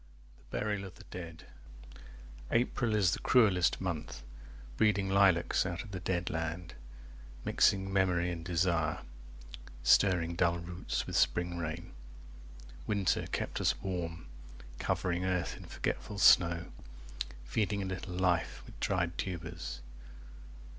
THE BURIAL OF THE DEAD APRIL is the cruellest month, breeding Lilacs out of the dead land, mixing Memory and desire, stirring Dull roots with spring rain. Winter kept us warm, covering 5 Earth in forgetful snow, feeding A little life with dried tubers.